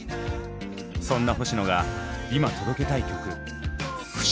そんな星野が今届けたい曲「不思議」。